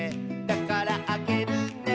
「だからあげるね」